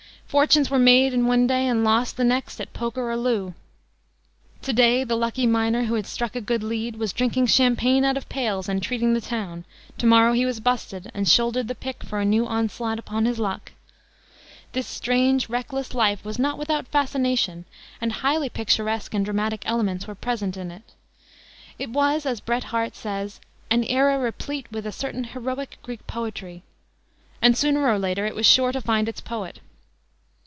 Fortunes were made in one day and lost the next at poker or loo. To day the lucky miner who had struck a good "lead" was drinking champagne out of pails and treating the town; to morrow he was "busted," and shouldered the pick for a new onslaught upon his luck. This strange, reckless life, was not without fascination, and highly picturesque and dramatic elements were present in it. It was, as Bret Harte says, "an era replete with a certain heroic Greek poetry," and sooner or later it was sure to find its poet.